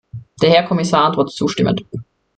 Der Herr Kommissar antwortet zustimmend.